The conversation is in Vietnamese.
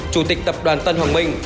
chủ tịch tập đoàn tân hoàng minh